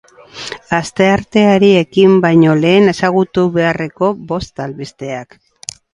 Astearteari ekin baino lehen ezagutu beharreko bost albisteak.